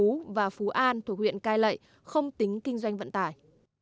phú và phú an thuộc huyện cai lệ không tính kinh doanh vận tải